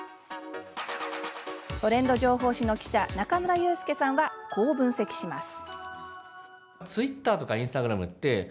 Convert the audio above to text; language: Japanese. トレンド情報誌の記者中村勇介さんはこう分析します。